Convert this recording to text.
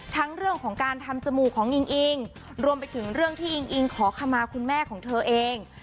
ทั้งเรื่องของการทำจมูกของอิงอิงรวมไปถึงเรื่องที่อิงอิงขอขมาคุณแม่ของเธอเอง